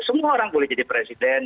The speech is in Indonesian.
semua orang boleh jadi presiden